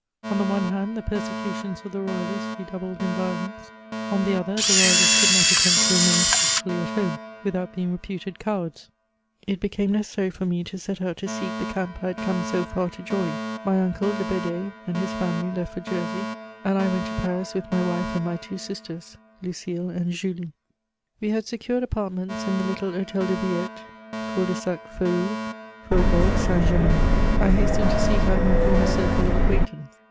On the one hand, the persecutions of the Royalists redoubled in violence ; on the other, the Royalists could not attempt to remain peacefully at home, without being reputed cowards ; it became necessary for me to set out to seek the camp I had come so &r to join. My uncle, De Bedee, and his family left for Jersey, and I went to Paris with my wife and my two sisters, Lucile and Julie. We had secured apartments in the little H6tel de Villette, cul de sac YeroMj faubourg St. Germain. 1 hastened to seek out my former circle of acquaintance.